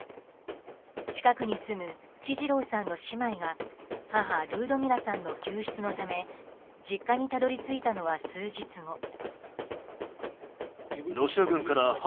近くに住むキジロウさんの姉妹が母ルードミラさんの救出のため実家にたどり着いたのは数日後。